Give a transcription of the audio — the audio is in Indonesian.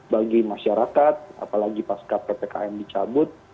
bagi masyarakat apalagi pas kptkm dicabut